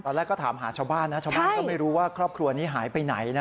ตอนแรกก็ถามหาชาวบ้านนะชาวบ้านก็ไม่รู้ว่าครอบครัวนี้หายไปไหนนะ